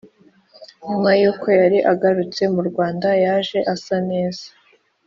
nyuma yuko yari agarutse mu rwanda yaje asa neza